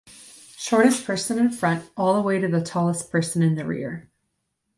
Shortest person in front, all the way to the tallest person in the rear.